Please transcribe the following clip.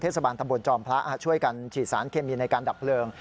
บาลตำบลจอมพระช่วยกันฉีดสารเคมีในการดับเพลิง